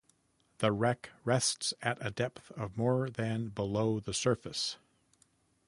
The wreck rests at a depth of more than below the surface.